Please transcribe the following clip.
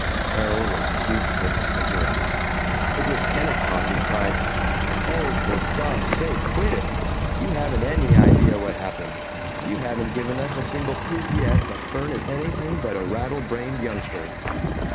Carol was too sick to interrupt. It was Kennicott who cried, "Oh, for God's sake quit it! You haven't any idea what happened. You haven't given us a single proof yet that Fern is anything but a rattle brained youngster."